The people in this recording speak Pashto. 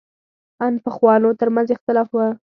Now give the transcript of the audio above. ان پخوانو تر منځ اختلاف و.